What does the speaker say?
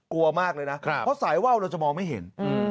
กลัวมากเลยนะเพราะสายว่าวเราจะมองไม่เห็น